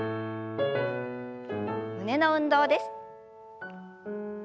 胸の運動です。